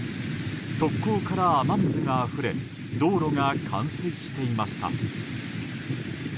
側溝から雨水があふれ道路が冠水していました。